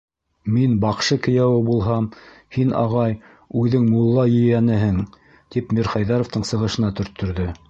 Мин баҡшы кейәүе булһам, һин, ағай, үҙең мулла ейәнеһең, - тип Мирхәйҙәровтың сығышына төрттөрҙө.